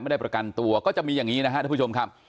ไม่ได้ประกันตัวก็จะมีอย่างนี้นะครับท่านผู้ชมครับ